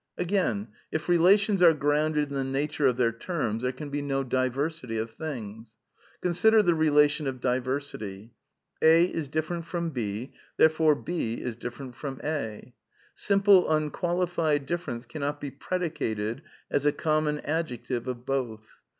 *)) Agaifl » if relations are grounded in the nature of their terms, there can be no diversity of things. Consider the relation of diversity. A is different from B, therefore B is different from A. Simple unqualified difference cannot be predicated as a common adjective of both.